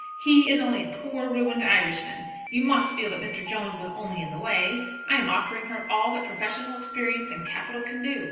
He is only a poor ruined Irishman. You must feel that Mr. Jones was only in the way. I am offering her all that professional experience and capital can do.